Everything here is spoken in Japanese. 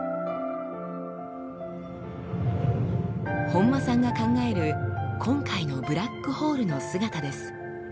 本間さんが考える今回のブラックホールの姿です。